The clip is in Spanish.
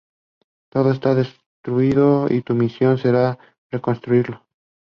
Todo está destruido, y tu misión será reconstruirlo.